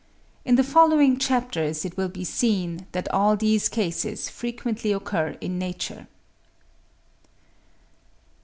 In the following chapters it will be seen that all these cases frequently occur in nature.